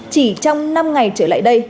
chỉ trong năm ngày trở lại đây